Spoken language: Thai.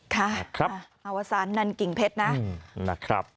ค่ะอาวุศานนั้นกิ่งเพชรนะ